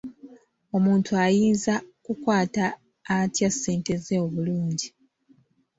Omuntu ayinza kukwata ate ssente ze obulungi?